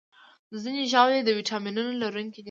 ځینې ژاولې د ویټامینونو لرونکي دي.